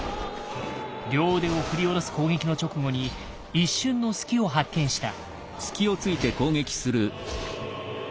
両腕を振り下ろす攻撃の直後に一瞬の隙を発見した。